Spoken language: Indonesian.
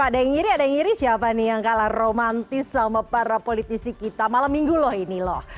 ada yang ngiri ada yang ngiri siapa nih yang kalah romantis sama para politisi kita malam minggu loh ini loh